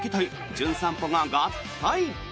「じゅん散歩」が合体！